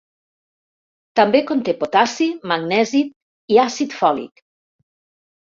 També conté potassi, magnesi i àcid fòlic.